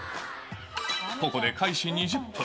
ここで開始２０分。